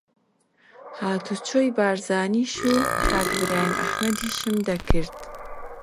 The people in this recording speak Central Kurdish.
هاتوچۆی بارزانیش و کاک برایم ئەحمەدیشم دەکرد